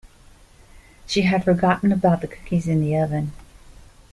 She had forgotten about the cookies in the oven.